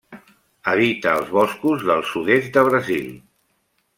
Habita els boscos del sud-est de Brasil.